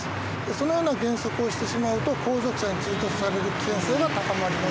そのような減速をしてしまうと後続車に追突される危険性が高まります。